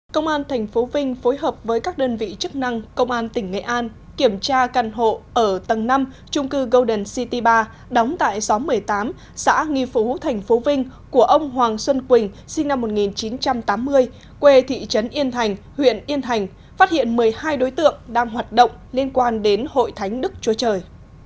công an tp vinh phối hợp với các đơn vị chức năng công an tỉnh nghệ an kiểm tra căn hộ ở tầng năm trung cư golden city bar đóng tại xóm một mươi tám xã nghi phú tp vinh của ông hoàng xuân quỳnh sinh năm một nghìn chín trăm tám mươi quê thị trấn yên thành huyện yên thành phát hiện một mươi hai đối tượng đang hoạt động liên quan đến hội thánh đức chúa trời